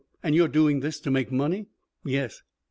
And you're doing this to make money?" "Yes."